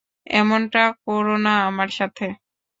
এমনটা কোরো না আমার সাথে।